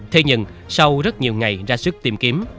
thế nhưng sau rất nhiều ngày ra sức tìm kiếm